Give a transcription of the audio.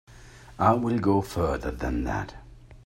I'll go further than that.